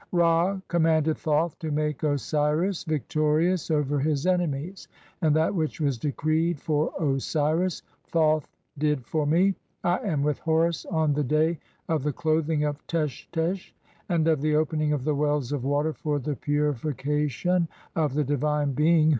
(17) Ra commanded Thoth to make "Osiris victorious over his enemies ; and that which was decreed "[for Osiris] (18) Thoth did for me. I am with Horus on the "day of the clothing of (ig) Teshtesh J and of the opening of "the wells of water for the purification of the divine being whose 1.